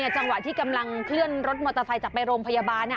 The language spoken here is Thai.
จังหวะที่กำลังเคลื่อนรถมอเตอร์ไซค์จะไปโรงพยาบาล